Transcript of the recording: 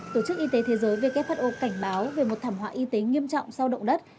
tổ chức y tế thế giới who cảnh báo về một thảm họa y tế nghiêm trọng sau động đất